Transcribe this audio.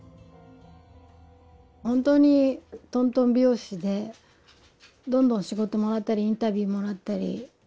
本当にトントン拍子でどんどん仕事もらったりインタビューもらったり。